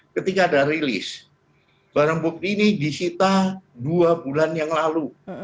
ketika ada rilis barang bukti ini disita dua bulan yang lalu